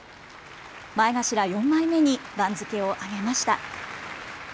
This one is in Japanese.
前頭４枚目に番付を上げました。